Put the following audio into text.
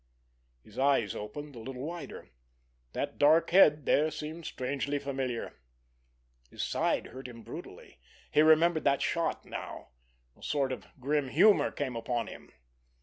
His eyes opened a little wider. That dark head there seemed strangely familiar. His side hurt him brutally. He remembered that shot now. A sort of grim humor came upon him.